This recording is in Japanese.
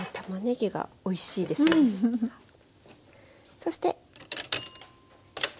そして。